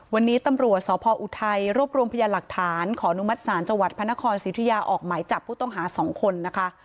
วันนี้ตำรวจสพออุทัยรวบรวมพยานหลักฐานขออนุมัติศาลจังหวัดพระนครสิทธิยาออกหมายจับผู้ต้องหา๒คนนะคะ